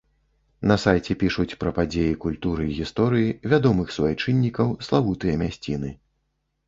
На сайце пішуць пра падзеі культуры і гісторыі, вядомых суайчыннікаў, славутыя мясціны.